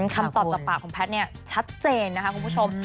คำตอบจากปากของแพทย์เนี่ยชัดเจนนะคะคุณผู้ชม